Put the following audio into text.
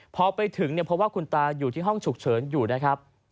พอไปถึงเนี่ยพบว่าคุณตาอยู่ที่ห้องฉุกเฉินอยู่นะครับ